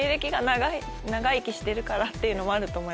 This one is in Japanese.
長生きしてるからっていうのもあると思います。